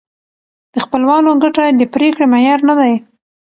د خپلوانو ګټه د پرېکړې معیار نه دی.